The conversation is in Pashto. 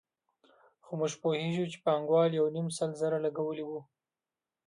خو موږ پوهېږو چې پانګوال یو نیم سل زره لګولي وو